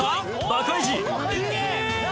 バカイジ。え！？